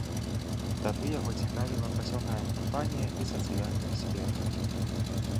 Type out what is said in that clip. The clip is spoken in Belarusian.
Тады яго цікавіла пасяўная кампанія і сацыяльная сфера.